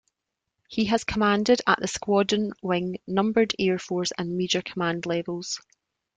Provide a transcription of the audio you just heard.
He has commanded at the squadron, wing, numbered air force and major command levels.